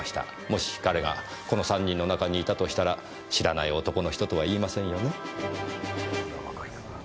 もし彼がこの３人の中にいたとしたら知らない男の人とは言いませんよね？